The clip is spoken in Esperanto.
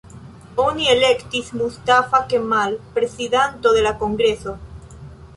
Oni elektis Mustafa Kemal prezidanto de la kongreso.